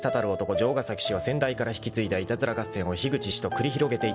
城ヶ崎氏は先代から引き継いだいたずら合戦を樋口氏と繰り広げていたらしい］